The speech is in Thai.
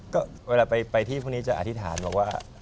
ก็เวลาไปที่พวกนี้จะอธิษฐานบอกว่า